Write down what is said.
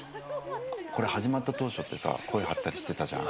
始まった当初って声張ったりしてたじゃん。